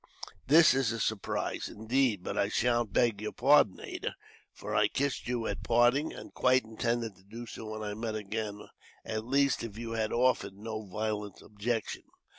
"This is a surprise, indeed; but I sha'n't beg your pardon, Ada, for I kissed you at parting, and quite intended to do so when I met again, at least if you had offered no violent objection.